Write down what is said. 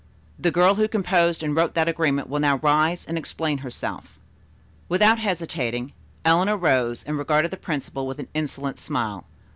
The girl who composed and wrote that agreement will now rise and explain herself." Without hesitating, Eleanor rose and regarded the principal with an insolent smile.